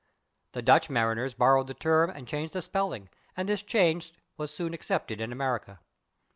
The Dutch mariners borrowed the term and changed the spelling, and this change was soon accepted in America.